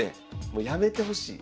もうやめてほしい。